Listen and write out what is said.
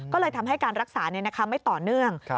ก็เลยทำให้การรักษาไม่ต่อเนื่อง